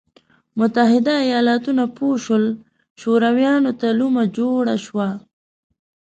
متحده ایالتونه پوه شول شورویانو ته لومه جوړه شوه.